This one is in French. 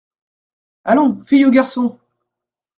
Allons, fill's ou garçons !